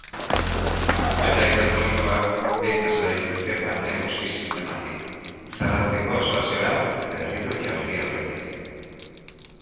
Kometa hiperbolikoak behin pasa daitezke barne Eguzki Sistematik izarrarteko espaziora berriro jaurti aurretik.